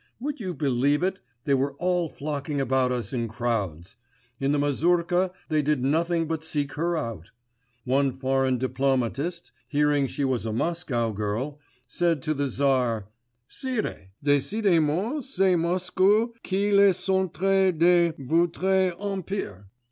Would you believe it, they were all flocking about us in crowds; in the mazurka they did nothing but seek her out. One foreign diplomatist, hearing she was a Moscow girl, said to the Tsar: 'Sire,' he said, '_décidément c'est Moscou qui est le centre de votre empire!